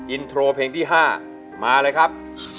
อินโทรเพลงที่๕มาเลยครับ